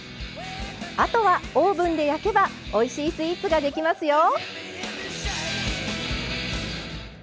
あとはオーブンで焼けばおいしいスイーツができますよ！